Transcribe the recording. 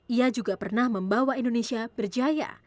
ia juga pernah membawa indonesia berjaya